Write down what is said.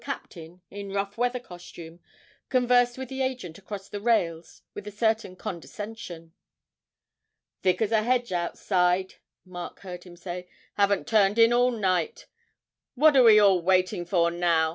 captain, in rough weather costume, conversed with the agent across the rails with a certain condescension. 'Thick as a hedge outside,' Mark heard him say; 'haven't turned in all night. What are we all waiting for now?